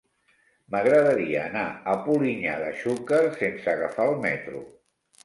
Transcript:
M'agradaria anar a Polinyà de Xúquer sense agafar el metro.